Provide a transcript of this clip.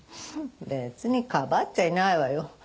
別にかばっちゃいないわよ。